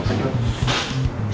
sekian lagi yuk